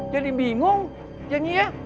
jadi bingung jangan ya